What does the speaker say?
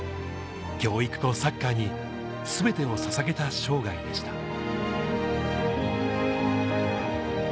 教育とサッカーに全てを捧げた生涯でした。